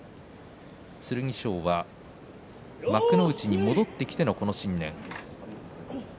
剣翔は幕内に戻ってきてのこの新年。